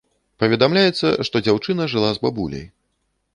Паведамляецца, што дзяўчына жыла з бабуляй.